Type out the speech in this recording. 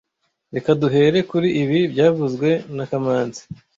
Reka duhere kuri ibi byavuzwe na kamanzi